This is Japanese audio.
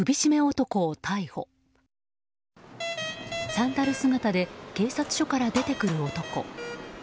サンダル姿で警察署から出てくる男。